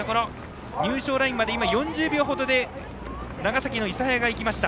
入賞ラインまで４０秒程で長崎の諫早が行きました。